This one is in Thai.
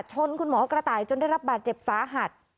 คุณหมอกระต่ายจนได้รับบาดเจ็บสาหัส